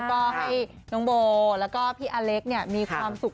ก็ให้น้องโบแล้วก็พี่อเล็กมีความสุข